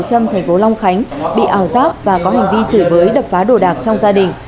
huỳnh huy hoàng thành phố long khánh bị ảo giáp và có hành vi chửi với đập phá đồ đạc trong gia đình